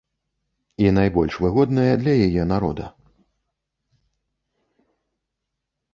І найбольш выгодная для яе народа.